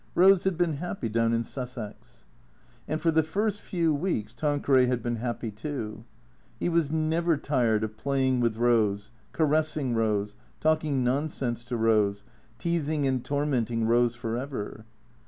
Eose had been happy down in Sussex. And for the first few weeks Tanqueray had been happy too. He was never tired of playing with Eose, caressing Eose, talk ing nonsense to Eose, teasing and tormenting Eose for ever.